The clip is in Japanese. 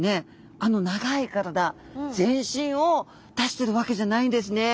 あの長い体全身を出してるわけじゃないんですね。